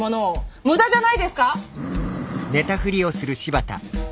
無駄じゃないですか？